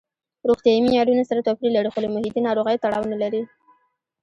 روغتیايي معیارونه سره توپیر لري خو له محیطي ناروغیو تړاو نه لري.